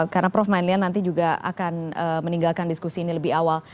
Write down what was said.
karena prof malian nanti juga akan meninggalkan diskusi ini lebih awal